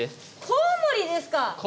コウモリです。